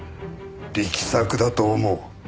力作だと思う。